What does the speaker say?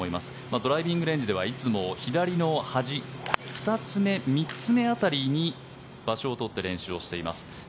ドライビングレンジではいつも左の端２つ目、３つ目辺りに場所を取って練習をしています。